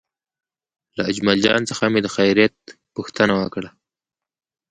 له اجمل جان څخه مې د خیریت پوښتنه وکړه.